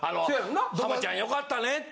浜ちゃん良かったねって。